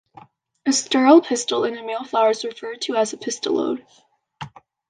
A sterile pistil in a male flower is referred to as a pistillode.